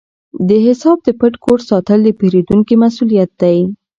د حساب د پټ کوډ ساتل د پیرودونکي مسؤلیت دی۔